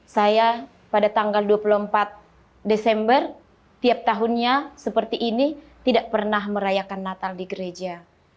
saya pada tanggal dua puluh empat desember tiap tahunnya seperti ini tidak pernah merayakan natal di gereja